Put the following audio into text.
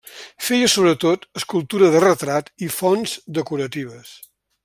Feia sobretot escultura de retrat i fonts decoratives.